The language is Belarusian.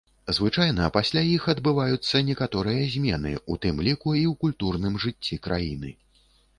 Звычайна, пасля іх адбываюцца некаторыя змены, у тым ліку, і ў культурным жыцці краіны.